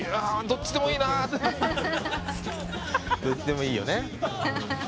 どっちでもいいよね。